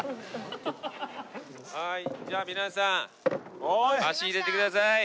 はいじゃあ皆さん足入れてください。